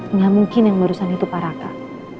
enggak mungkin yang barusan itu parakah